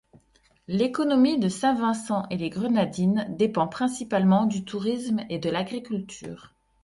L'économie de Saint-Vincent-et-les-Grenadines dépend principalement du tourisme et de l'agriculture.